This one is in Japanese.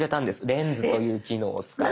「レンズ」という機能を使って。